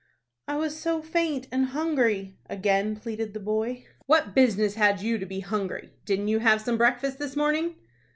"I was so faint and hungry," again pleaded the boy. "What business had you to be hungry? Didn't you have some breakfast this morning?"